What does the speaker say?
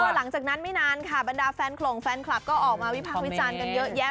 หลังจากนั้นไม่นานค่ะบรรดาแฟนโขลงแฟนคลับก็ออกมาวิพากษ์วิจารณ์กันเยอะแยะ